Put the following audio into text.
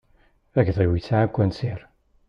Agdi-iw isɛa akunsir.